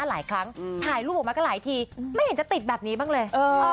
หลายครั้งถ่ายรูปออกมาก็หลายทีไม่เห็นจะติดแบบนี้บ้างเลย